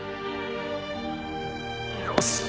よし！